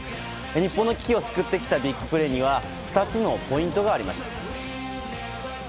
日本の危機を救ってきたビッグプレーには２つのポイントがありました。